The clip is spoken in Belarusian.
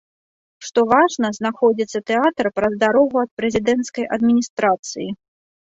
Што важна, знаходзіцца тэатр праз дарогу ад прэзідэнцкай адміністрацыі.